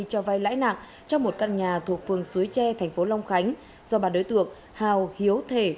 cho vai lãi nặng trong một căn nhà thuộc phường suối tre thành phố long khánh do bà đối tượng hào hiếu thể